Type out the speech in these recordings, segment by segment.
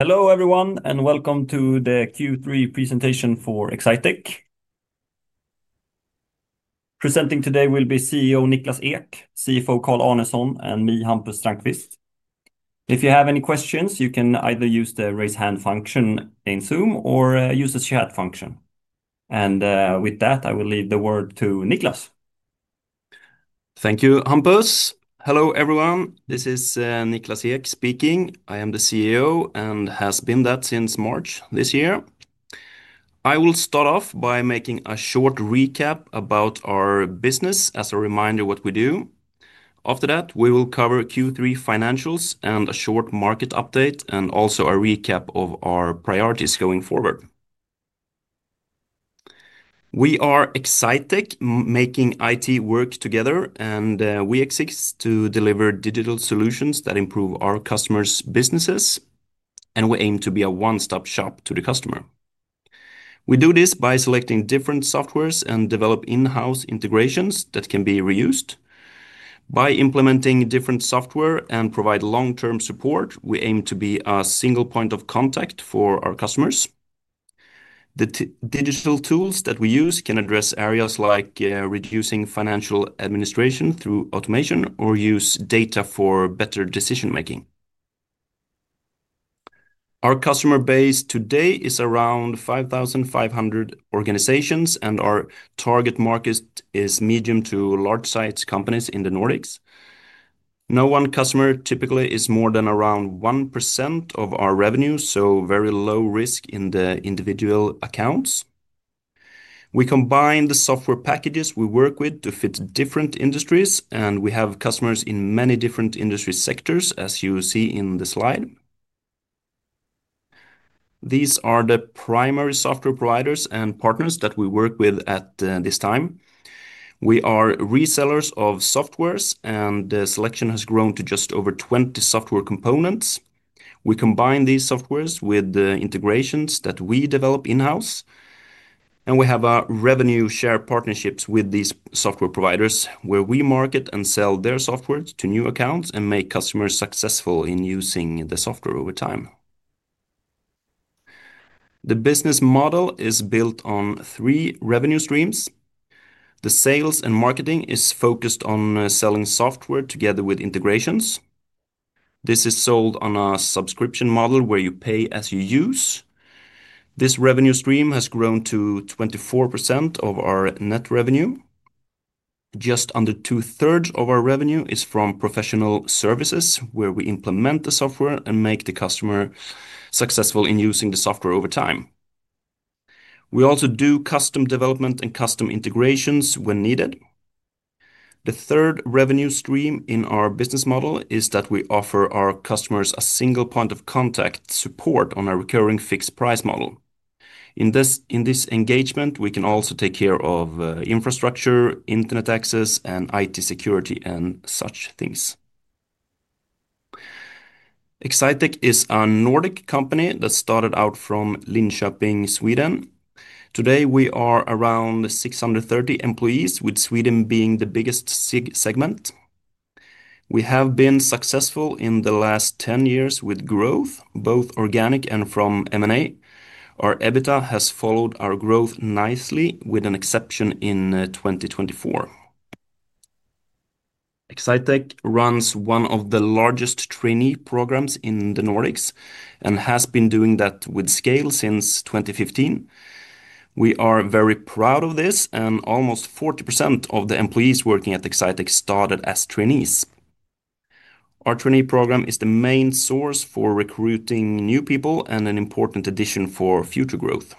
Hello everyone, and welcome to the Q3 presentation for Exsitec. Presenting today will be CEO Niklas Ek, CFO Carl Arnesson, and me, Hampus Strandqvist. If you have any questions, you can either use the raise hand function in Zoom or use the chat function. With that, I will leave the word to Niklas. Thank you, Hampus. Hello everyone, this is Niklas Ek speaking. I am the CEO and have been that since March this year. I will start off by making a short recap about our business as a reminder of what we do. After that, we will cover Q3 financials and a short market update and also a recap of our priorities going forward. We are Exsitec, making IT work together, and we exist to deliver digital solutions that improve our customers' businesses, and we aim to be a one-stop shop to the customer. We do this by selecting different software and develop in-house integrations that can be reused. By implementing different software and providing long-term support, we aim to be a single point of contact for our customers. The digital tools that we use can address areas like reducing financial administration through automation or use data for better decision making. Our customer base today is around 5,500 organizations, and our target market is medium to large size companies in the Nordics. No one customer typically is more than around 1% of our revenue, so very low risk in the individual accounts. We combine the software packages we work with to fit different industries, and we have customers in many different industry sectors, as you see in the slide. These are the primary software providers and partners that we work with at this time. We are resellers of software, and the selection has grown to just over 20 software components. We combine these software with the integrations that we develop in-house, and we have revenue share partnerships with these software providers where we market and sell their software to new accounts and make customers successful in using the software over time. The business model is built on three revenue streams. The sales and marketing is focused on selling software together with integrations. This is sold on a subscription model where you pay as you use. This revenue stream has grown to 24% of our net revenue. Just under two-thirds of our revenue is from professional services where we implement the software and make the customer successful in using the software over time. We also do custom development and custom integrations when needed. The third revenue stream in our business model is that we offer our customers a single point of contact support on a recurring fixed price model. In this engagement, we can also take care of infrastructure, internet access, and IT security and such things. Exsitec is a Nordic company that started out from Linköping, Sweden. Today, we are around 630 employees, with Sweden being the biggest segment. We have been successful in the last 10 years with growth, both organic and from M&A. Our EBITDA has followed our growth nicely with an exception in 2024. Exsitec runs one of the largest trainee programs in the Nordics and has been doing that with scale since 2015. We are very proud of this, and almost 40% of the employees working at Exsitec started as trainees. Our trainee program is the main source for recruiting new people and an important addition for future growth.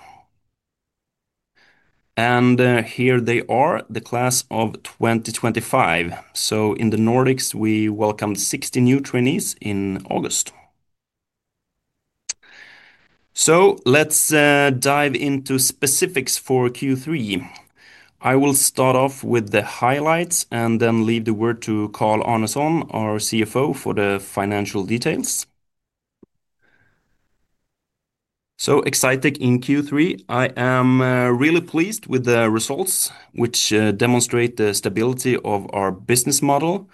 Here they are, the class of 2025. In the Nordics, we welcomed 60 new trainees in August. Let's dive into specifics for Q3. I will start off with the highlights and then leave the word to Carl Arnesson, our CFO, for the financial details. Exsitec in Q3, I am really pleased with the results which demonstrate the stability of our business model.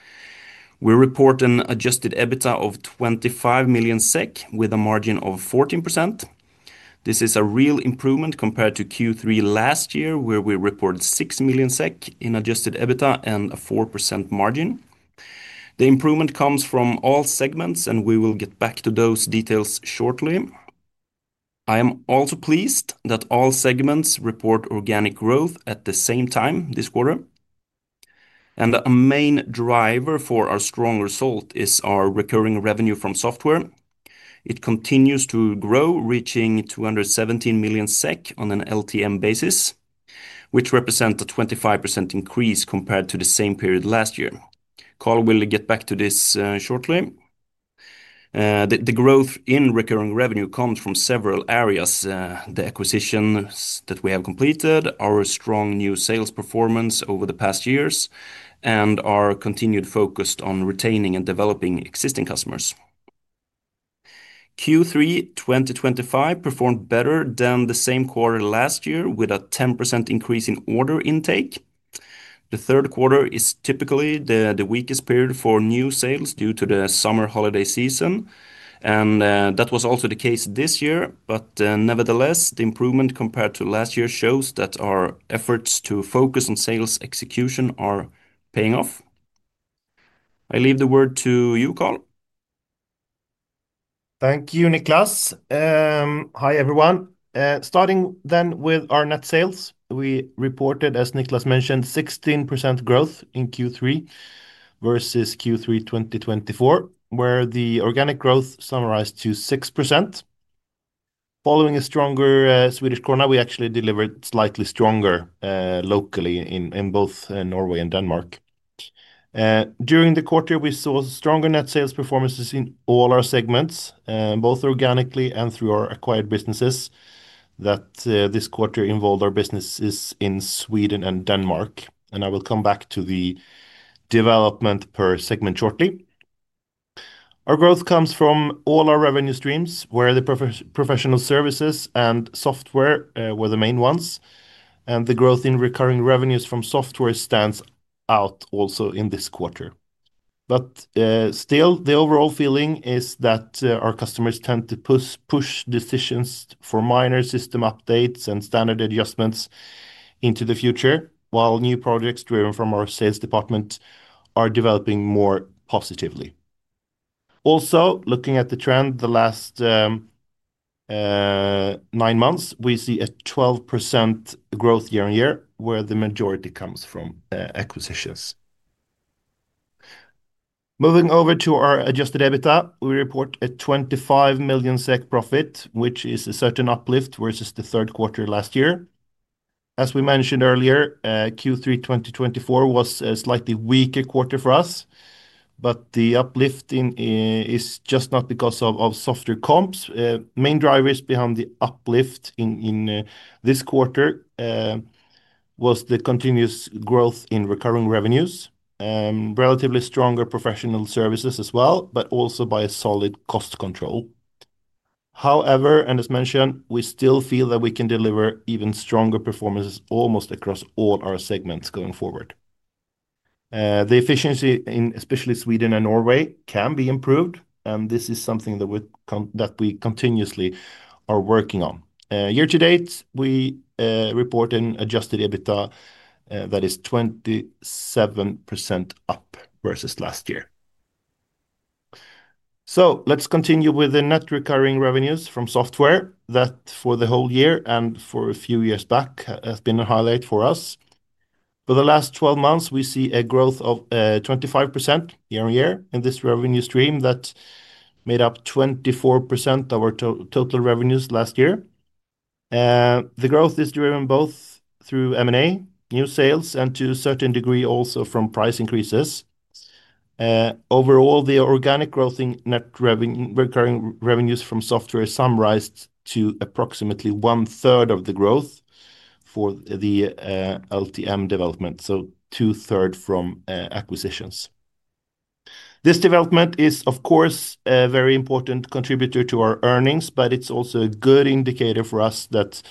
We report an adjusted EBITDA of 25 million SEK with a margin of 14%. This is a real improvement compared to Q3 last year where we reported 6 million SEK in adjusted EBITDA and a 4% margin. The improvement comes from all segments, and we will get back to those details shortly. I am also pleased that all segments report organic growth at the same time this quarter. The main driver for our strong result is our recurring revenue from software. It continues to grow, reaching 217 million SEK on an LTM basis, which represents a 25% increase compared to the same period last year. Carl will get back to this shortly. The growth in recurring revenue comes from several areas: the acquisitions that we have completed, our strong new sales performance over the past years, and our continued focus on retaining and developing existing customers. Q3 2025 performed better than the same quarter last year with a 10% increase in order intake. The third quarter is typically the weakest period for new sales due to the summer holiday season, and that was also the case this year. Nevertheless, the improvement compared to last year shows that our efforts to focus on sales execution are paying off. I leave the word to you, Carl. Thank you, Niklas. Hi everyone. Starting then with our net sales, we reported, as Niklas mentioned, 16% growth in Q3 versus Q3 2024, where the organic growth summarized to 6%. Following a stronger Swedish corner, we actually delivered slightly stronger locally in both Norway and Denmark. During the quarter, we saw stronger net sales performances in all our segments, both organically and through our acquired businesses that this quarter involved our businesses in Sweden and Denmark. I will come back to the development per segment shortly. Our growth comes from all our revenue streams, where the professional services and software were the main ones. The growth in recurring revenues from software stands out also in this quarter. Still, the overall feeling is that our customers tend to push decisions for minor system updates and standard adjustments into the future, while new projects driven from our sales department are developing more positively. Also, looking at the trend the last nine months, we see a 12% growth year-on-year, where the majority comes from acquisitions. Moving over to our adjusted EBITDA, we report a 25 million SEK profit, which is a certain uplift versus the third quarter last year. As we mentioned earlier, Q3 2024 was a slightly weaker quarter for us, but the uplift is just not because of softer comps. Main drivers behind the uplift in this quarter were the continuous growth in recurring revenues, relatively stronger professional services as well, but also by a solid cost control. However, as mentioned, we still feel that we can deliver even stronger performances almost across all our segments going forward. The efficiency in especially Sweden and Norway can be improved, and this is something that we continuously are working on. Year to date, we report an adjusted EBITDA that is 27% up versus last year. Let's continue with the net recurring revenues from software that for the whole year and for a few years back has been a highlight for us. For the last 12 months, we see a growth of 25% year-on-year in this revenue stream that made up 24% of our total revenues last year. The growth is driven both through M&A, new sales, and to a certain degree also from price increases. Overall, the organic growth in net recurring revenues from software summarized to approximately one-third of the growth for the LTM development, so two-thirds from acquisitions. This development is, of course, a very important contributor to our earnings, but it's also a good indicator for us that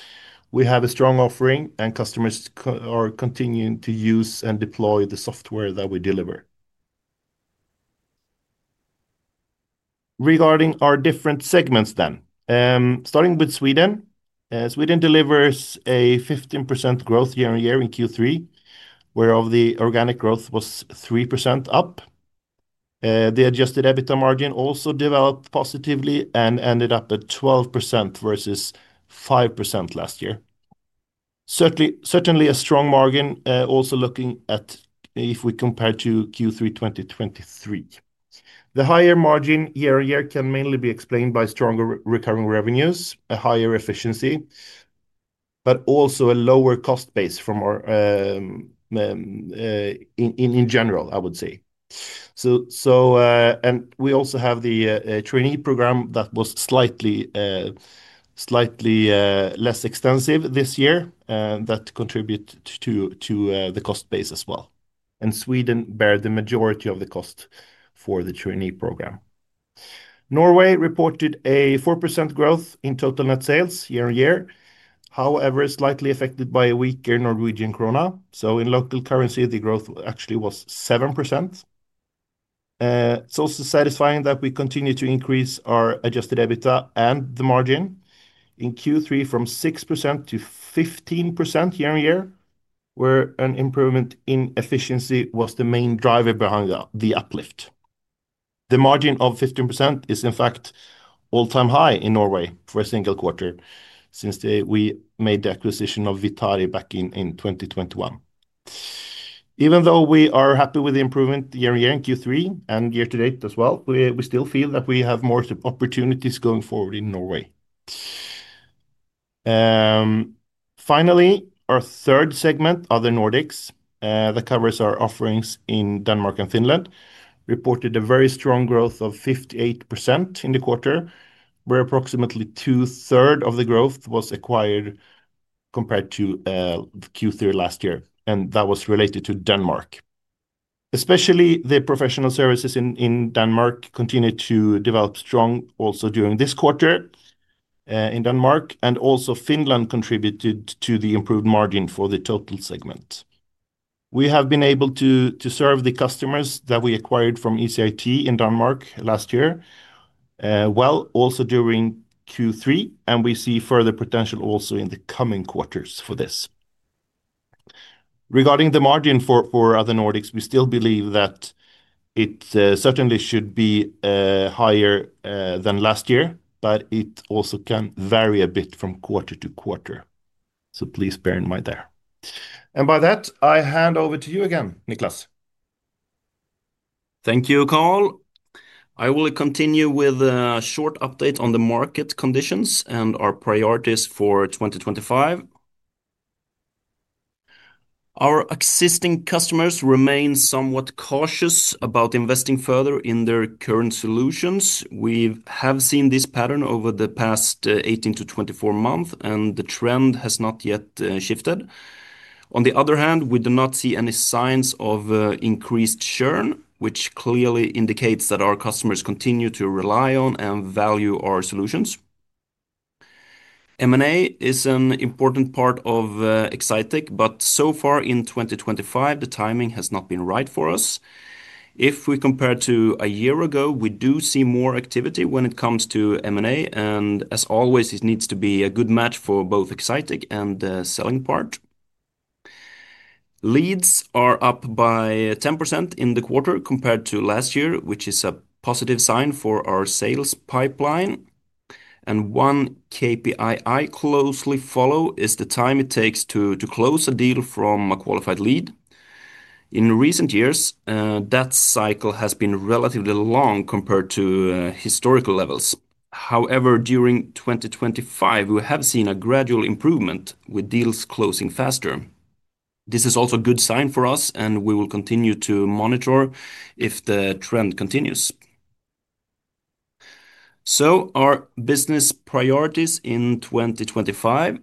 we have a strong offering and customers are continuing to use and deploy the software that we deliver. Regarding our different segments then, starting with Sweden, Sweden delivers a 15% growth year-on-year in Q3, where the organic growth was 3% up. The adjusted EBITDA margin also developed positively and ended up at 12% versus 5% last year. Certainly a strong margin, also looking at if we compare to Q3 2023. The higher margin year-on-year can mainly be explained by stronger recurring revenues, a higher efficiency, but also a lower cost base in general, I would say. We also have the trainee program that was slightly less extensive this year that contributed to the cost base as well. Sweden bears the majority of the cost for the trainee program. Norway reported a 4% growth in total net sales year-on-year, however, slightly affected by a weaker Norwegian krona. In local currency, the growth actually was 7%. It is also satisfying that we continue to increase our adjusted EBITDA and the margin in Q3 from 6%-15% year-on-year, where an improvement in efficiency was the main driver behind the uplift. The margin of 15% is in fact an all-time high in Norway for a single quarter since we made the acquisition of Vitari back in 2021. Even though we are happy with the improvement year-on-year in Q3 and year to date as well, we still feel that we have more opportunities going forward in Norway. Finally, our third segment, Other Nordics, that covers our offerings in Denmark and Finland, reported a very strong growth of 58% in the quarter, where approximately two-thirds of the growth was acquired compared to Q3 last year, and that was related to Denmark. Especially the professional services in Denmark continued to develop strongly also during this quarter in Denmark, and also Finland contributed to the improved margin for the total segment. We have been able to serve the customers that we acquired from ECIT in Denmark last year, also during Q3, and we see further potential also in the coming quarters for this. Regarding the margin for Other Nordics, we still believe that it certainly should be higher than last year, but it also can vary a bit from quarter to quarter. Please bear that in mind. By that, I hand over to you again, Niklas. Thank you, Carl. I will continue with a short update on the market conditions and our priorities for 2025. Our existing customers remain somewhat cautious about investing further in their current solutions. We have seen this pattern over the past 18 to 24 months, and the trend has not yet shifted. On the other hand, we do not see any signs of increased churn, which clearly indicates that our customers continue to rely on and value our solutions. M&A is an important part of Exsitec, but so far in 2025, the timing has not been right for us. If we compare to a year ago, we do see more activity when it comes to M&A, and as always, it needs to be a good match for both Exsitec and the selling part. Leads are up by 10% in the quarter compared to last year, which is a positive sign for our sales pipeline. One KPI I closely follow is the time it takes to close a deal from a qualified lead. In recent years, that cycle has been relatively long compared to historical levels. However, during 2025, we have seen a gradual improvement with deals closing faster. This is also a good sign for us, and we will continue to monitor if the trend continues. Our business priorities in 2025: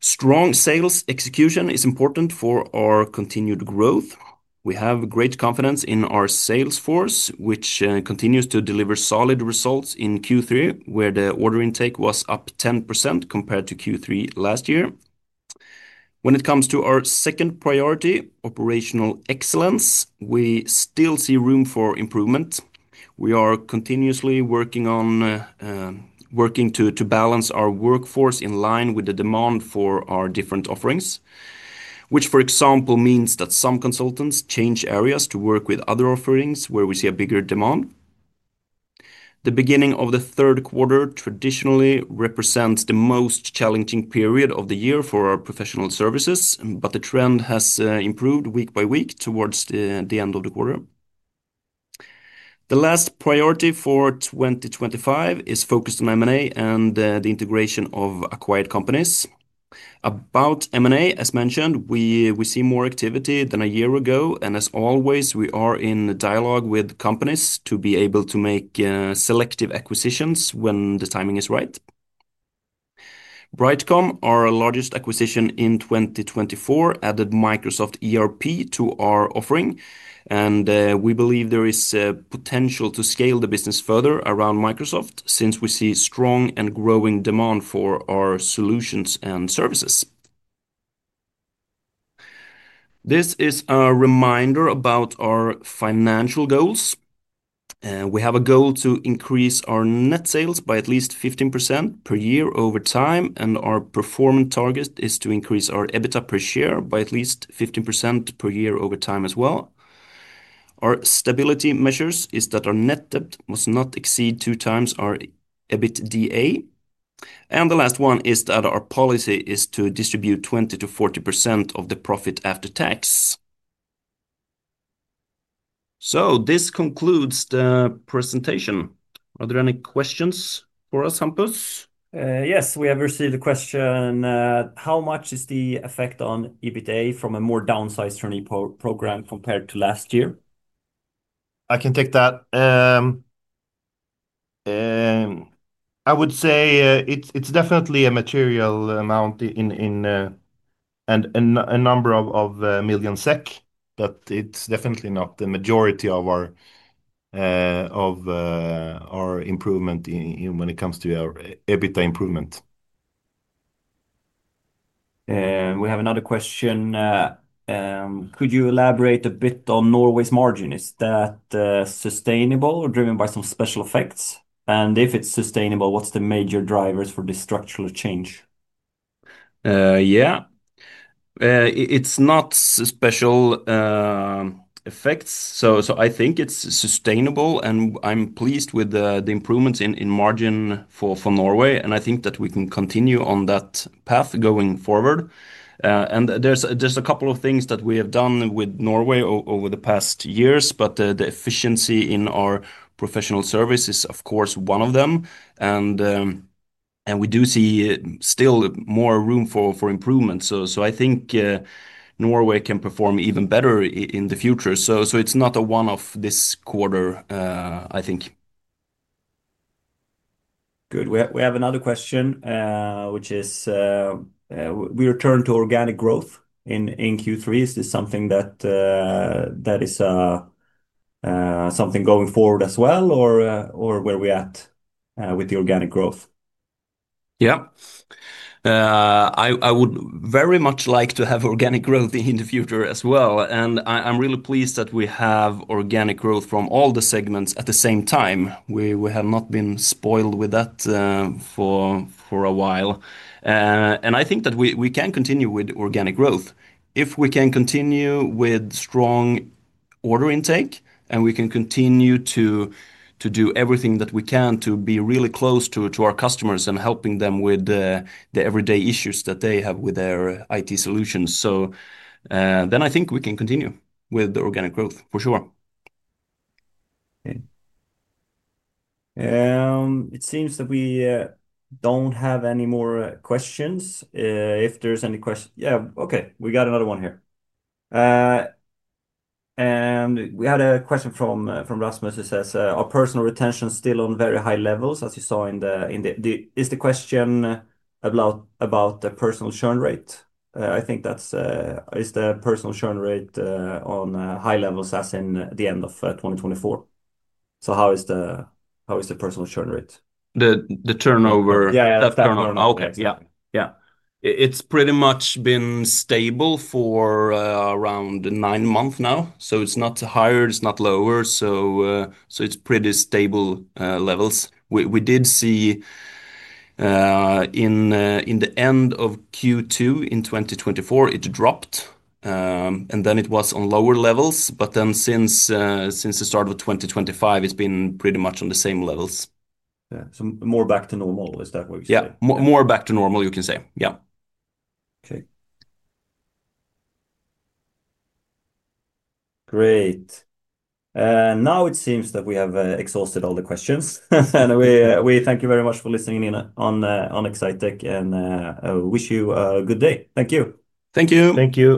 strong sales execution is important for our continued growth. We have great confidence in our sales force, which continues to deliver solid results in Q3, where the order intake was up 10% compared to Q3 last year. When it comes to our second priority, operational excellence, we still see room for improvement. We are continuously working to balance our workforce in line with the demand for our different offerings, which, for example, means that some consultants change areas to work with other offerings where we see a bigger demand. The beginning of the third quarter traditionally represents the most challenging period of the year for our professional services, but the trend has improved week by week towards the end of the quarter. The last priority for 2025 is focused on M&A and the integration of acquired companies. About M&A, as mentioned, we see more activity than a year ago, and as always, we are in dialogue with companies to be able to make selective acquisitions when the timing is right. BrightCom, our largest acquisition in 2024, added Microsoft ERP to our offering, and we believe there is potential to scale the business further around Microsoft since we see strong and growing demand for our solutions and services. This is a reminder about our financial goals. We have a goal to increase our net sales by at least 15% per year over time, and our performance target is to increase our EBITDA per share by at least 15% per year over time as well. Our stability measure is that our net debt must not exceed two times our EBITDA, and the last one is that our policy is to distribute 20%-40% of the profit after tax. This concludes the presentation. Are there any questions for us, Hampus? Yes, we have received a question. How much is the effect on EBITDA from a more downsized trainee program compared to last year? I can take that. I would say it's definitely a material amount in a number of million SEK, but it's definitely not the majority of our improvement when it comes to our EBITDA improvement. We have another question. Could you elaborate a bit on Norway's margin? Is that sustainable or driven by some special effects? If it's sustainable, what's the major drivers for this structural change? Yeah, it's not special effects. I think it's sustainable, and I'm pleased with the improvements in margin for Norway. I think that we can continue on that path going forward. There's a couple of things that we have done with Norway over the past years, but the efficiency in our professional services is, of course, one of them. We do see still more room for improvement. I think Norway can perform even better in the future. It's not a one-off this quarter, I think. Good. We have another question, which is, we return to organic growth in Q3. Is this something that is going forward as well, or where are we at with the organic growth? Yeah, I would very much like to have organic growth in the future as well, and I'm really pleased that we have organic growth from all the segments at the same time. We have not been spoiled with that for a while. I think that we can continue with organic growth if we can continue with strong order intake, and we can continue to do everything that we can to be really close to our customers and helping them with the everyday issues that they have with their IT solutions. I think we can continue with the organic growth for sure. It seems that we don't have any more questions. If there's any question, yeah, okay, we got another one here. We had a question from Rasmus, who says, are personal retention still on very high levels, as you saw in the... Is the question about the personal churn rate? I think that's... Is the personal churn rate on high levels as in the end of 2024? How is the personal churn rate? The turnover, that turnover. Yeah, yeah. It's pretty much been stable for around nine months now. It's not higher, it's not lower. It's pretty stable levels. We did see in the end of Q2 in 2024, it dropped, and it was on lower levels. Since the start of 2025, it's been pretty much on the same levels. Yeah, more back to normal, is that what you said? Yeah, more back to normal, you can say. Okay, great. Now it seems that we have exhausted all the questions, and we thank you very much for listening, Nina, on Exsitec, and wish you a good day. Thank you. Thank you. Thank you.